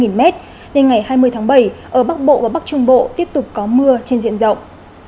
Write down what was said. nên ngày hai mươi tháng bảy ở bắc bộ và bắc trung bộ tiếp tục có mưa trên diện rộng